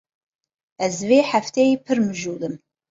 Ez vê hefteyê pir mijûl im.